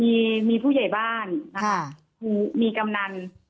คือมีผู้ใหญ่บ้านมีกำนัน